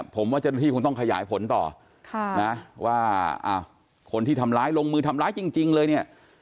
ผมว่าเจ้าหน้าที่คงต้องขยายผลต่อนะว่าคนที่ทำร้ายลงมือทำร้ายจริงเลยเนี่ย